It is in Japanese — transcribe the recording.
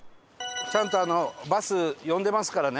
ちゃんとバス呼んでますからね。